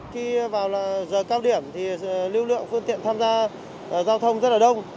khi vào giờ cao điểm thì lưu lượng phương tiện tham gia giao thông rất là đông